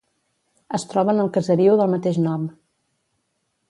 Es troba en el caseriu del mateix nom.